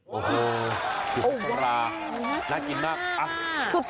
โอ้โฮดิบปลาน่ากินมากอ้าว